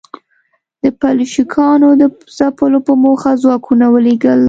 د بلشویکانو د ځپلو په موخه ځواکونه ولېږل.